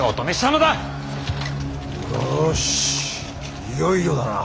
よしいよいよだな。